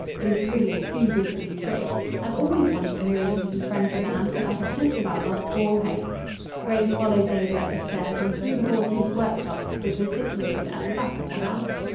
It is really too good to be true. I've always wanted Miriam to be friends with Anne, but I had just about lost all hope." Grace followed David up the stairs and through the hall to his workshop, which was situated at the back of the house.